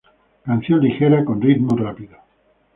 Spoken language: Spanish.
Canción ligera con ritmo rápido.